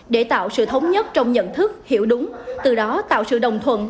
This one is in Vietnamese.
để tạo sự thống nhất trong nhận thức hiểu đúng từ đó tạo sự đồng thuận